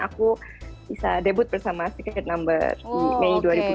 aku bisa debut bersama secret number di mei dua ribu dua puluh